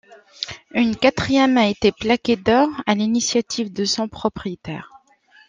Une quatrième a été plaquée d’or, à l’initiative de son propriétaire.